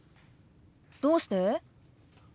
どうして？